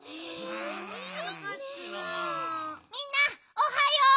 みんなおはよう。